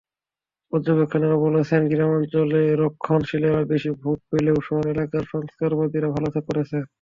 পর্যবেক্ষকেরা বলেছেন, গ্রামাঞ্চলে রক্ষণশীলেরা বেশি ভোট পেলেও শহর এলাকায় সংস্কারবাদীরা ভালো করেছে।